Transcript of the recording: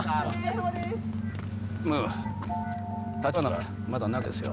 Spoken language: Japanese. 専務橘ならまだ中ですよ。